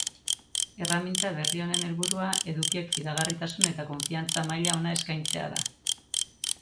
Herraminta berri honen helburua, edukiek fidagarritasun eta konfiantza maila ona eskaintzea da.